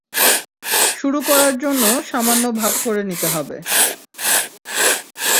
শুরু করার জন্য সামান্য ভাগ করে নিতে হবে।